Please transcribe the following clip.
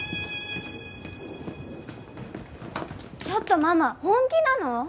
ちょっとママ本気なの？